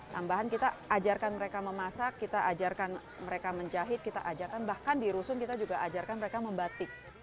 tambahan kita ajarkan mereka memasak kita ajarkan mereka menjahit kita ajarkan bahkan di rusun kita juga ajarkan mereka membatik